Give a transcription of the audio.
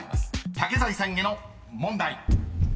［竹財さんへの問題］